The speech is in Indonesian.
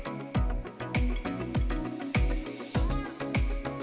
dari umkm indonesiaogether dan israil uniberisity